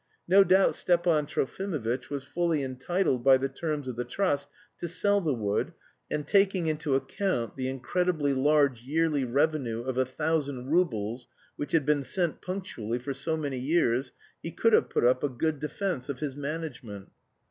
No doubt Stepan Trofimovitch was fully entitled by the terms of the trust to sell the wood, and taking into account the incredibly large yearly revenue of a thousand roubles which had been sent punctually for so many years, he could have put up a good defence of his management.